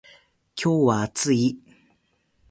今日は暑い